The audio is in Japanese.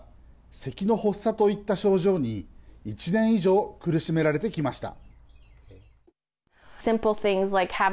せきの発作といった症状に１年以上苦しめられてきました。